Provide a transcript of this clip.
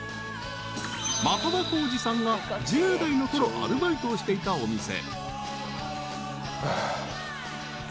［的場浩司さんが１０代のころアルバイトをしていたお店］